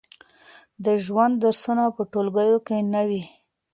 د ژوند درسونه په ټولګیو کې نه وي.